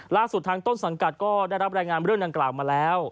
ล่าสุดทางต้นสังกัดก็ได้รับรายงานเรื่องดังกล่าวมาแล้ว